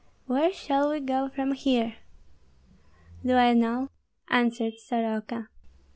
Where shall we go from here?" "Do I know?" answered Soroka.